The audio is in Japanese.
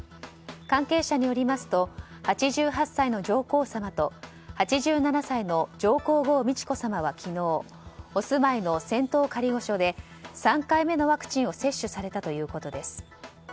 関係者によりますと８８歳の上皇さまと８７歳の上皇后・美智子さまは昨日お住まいの仙洞仮御所で３回目のワクチンを接種されたということです。